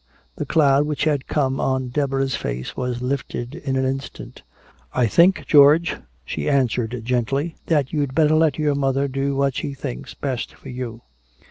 The cloud which had come on Deborah's face was lifted in an instant. "I think, George," she answered gently, "that you'd better let your mother do what she thinks best for you.